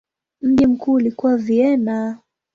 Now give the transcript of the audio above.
Mji mkuu ulikuwa Vienna.